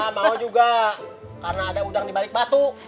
mau juga karena ada udang dibalik batu